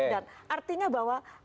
dan artinya bahwa